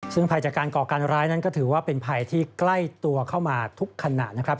ซึ่งภัยจากการก่อการร้ายนั้นก็ถือว่าเป็นภัยที่ใกล้ตัวเข้ามาทุกขณะนะครับ